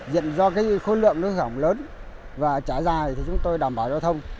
diện do khuôn lượng hư hỏng lớn và trái dài thì chúng tôi đảm bảo giao thông